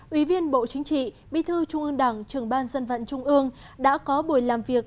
ủy viên bộ chính trị bi thư trung ương đảng trường ban dân vận trung ương đã có buổi làm việc